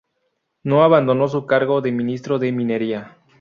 No abandonó su cargo de Ministro de Minería.